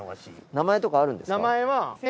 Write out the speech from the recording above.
名前とかあるんですか？